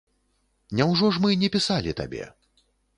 Няўжо ж мы не пісалі табе?